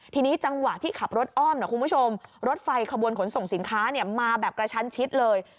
ทีนี้จังหวะที่ขับรถอ้อมนะคุณผู้ชมรถไฟขบวนขนส่งสินค้ามาแบบกระชั้นชิดเลย